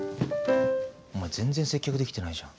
お前全然接客できてないじゃん。